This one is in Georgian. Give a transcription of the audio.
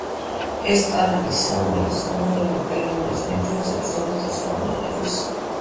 ეს ტარანი საურონის მეომრებმა პელენორის მინდვრებზე ბრძოლის დროს გამოიყენეს.